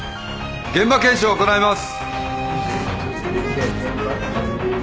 現場検証を行います。